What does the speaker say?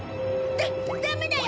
ダダメだよ！